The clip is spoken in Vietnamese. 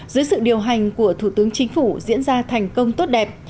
dưới sự điều hành của thủ tướng chính phủ diễn ra thành công tốt đẹp